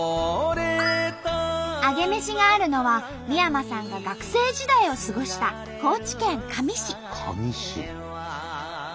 アゲメシがあるのは三山さんが学生時代を過ごした高知県香美市。